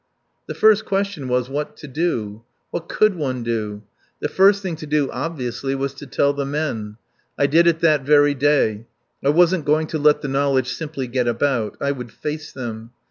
The first question was, what to do? What could one do? The first thing to do obviously was to tell the men. I did it that very day. I wasn't going to let the knowledge simply get about. I would face them.